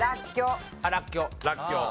らっきょう。